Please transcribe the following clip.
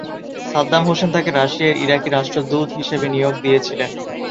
Saddam Hussein তাকে রাশিয়ায় ইরাকি রাষ্ট্রদূত হিসেবে নিয়োগ দিয়েছিলেন।